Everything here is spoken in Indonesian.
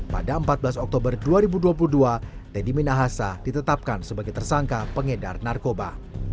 pada empat belas oktober dua ribu dua puluh dua teddy minahasa ditetapkan sebagai tersangka pengedar narkoba